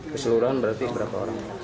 keseluruhan berarti berapa orang